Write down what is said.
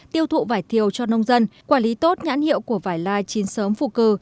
tiêu thụ vải thiều cho nông dân quản lý tốt nhãn hiệu của vải lai chín sớm phù cử